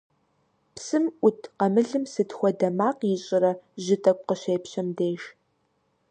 Псым Ӏут къамылым сыт хуэдэ макъ ищӀрэ жьы тӀэкӀу къыщепщэм деж?